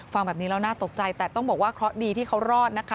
ฟังแบบนี้แล้วน่าตกใจแต่ต้องบอกว่าเคราะห์ดีที่เขารอดนะคะ